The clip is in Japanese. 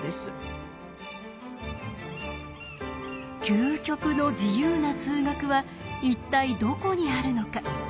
究極の自由な数学は一体どこにあるのか。